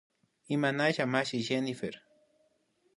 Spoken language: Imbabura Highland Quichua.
Imanalla mashi Jenyfer